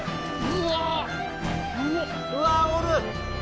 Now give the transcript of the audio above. うわおる！